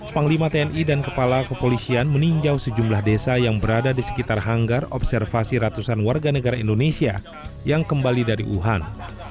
panglima tni dan kepala kepolisian meninjau sejumlah desa yang berada di sekitar hanggar observasi ratusan warga negara indonesia yang kembali dari wuhan